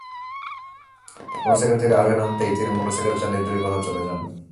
Motorcycle থেকে আরোহী নামতেই তিনি মোটরসাইকেল চালিয়ে দূরে কোথাও চলে যান।